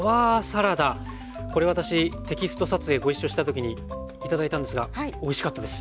これ私テキスト撮影ご一緒した時に頂いたんですがおいしかったです。